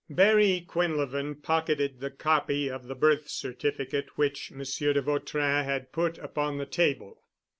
Barry Quinlevin pocketed the copy of the birth certificate which Monsieur de Vautrin had put upon the table.